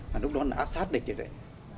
mà lúc đó áp sát địch như vậy